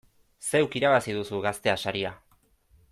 Zeuk irabazi duzu Gaztea saria!